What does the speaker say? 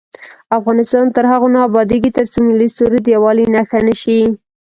افغانستان تر هغو نه ابادیږي، ترڅو ملي سرود د یووالي نښه نشي.